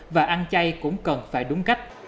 và ăn chay cũng cần phải đúng cách